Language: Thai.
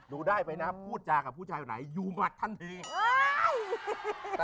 ดูได้ไปนะครับพูดจากับผู้ชายไหนอยู่หมดท่านเนธ